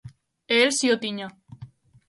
E el si o tiña.